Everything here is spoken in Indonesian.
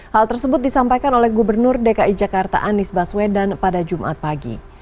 hal tersebut disampaikan oleh gubernur dki jakarta anies baswedan pada jumat pagi